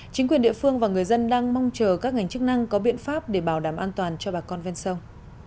chính quyền địa phương và người dân đang mong chờ các ngành chức năng có biện pháp để bảo đảm an toàn cho bà con ven sông